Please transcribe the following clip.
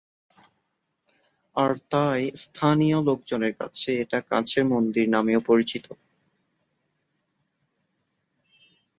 আর তাই এস্থানিয় লোকজনের কাছে এটা কাচের মন্দির নামেও পরিচিত।